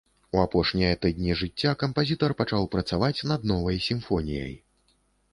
У апошнія тыдні жыцця кампазітар пачаў працаваць над новай сімфоніяй.